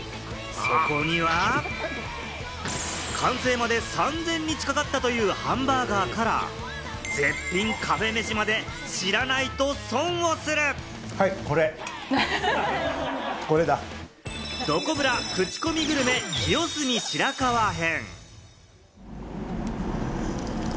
そこには完成までに３０００日かかったというハンバーガーから、絶品カフェめしまで、知らないと損をする、どこブラ、クチコミグルメ、清澄白河編！